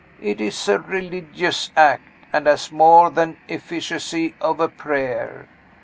It is a religious act, and has more than the efficacy of a prayer.